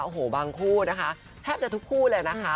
โอ้โหบางคู่นะคะแทบจะทุกคู่เลยนะคะ